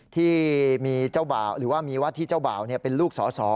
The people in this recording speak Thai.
ที่มีเจ้าบ่าวหรือว่ามีวัดที่เจ้าบ่าวเป็นลูกสอสอ